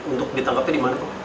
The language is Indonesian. untuk ditangkapnya di mana